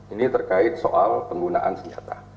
ini terkait soal penggunaan senjata